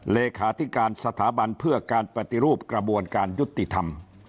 เลขาธิการสถาบันเพื่อการปฏิรูปกระบวนการยุติธรรม